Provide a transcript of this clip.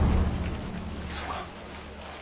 そうか。